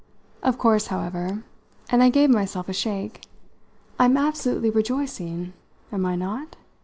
Of course, however" and I gave myself a shake "I'm absolutely rejoicing (am I not?)